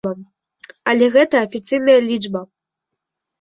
Але гэта афіцыйная лічба.